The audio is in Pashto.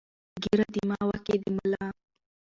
ـ ږيره دما، واک يې د ملا.